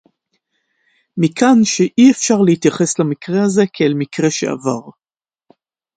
מכאן שאי-אפשר להתייחס למקרה הזה כאל מקרה שעבר